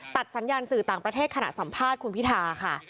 สัญญาณสื่อต่างประเทศขณะสัมภาษณ์คุณพิธาค่ะ